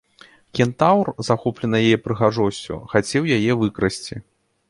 Кентаўр, захоплены яе прыгажосцю, хацеў яе выкрасці.